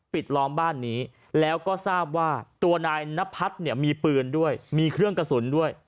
ล้อมบ้านนี้แล้วก็ทราบว่าตัวนายนพัฒน์เนี่ยมีปืนด้วยมีเครื่องกระสุนด้วย